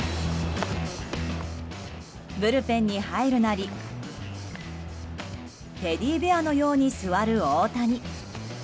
ブルペンに入るなりテディベアのように座る大谷。